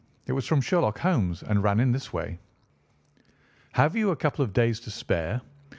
It was from Sherlock Holmes and ran in this way: "Have you a couple of days to spare?